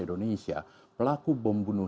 indonesia pelaku bom bunuh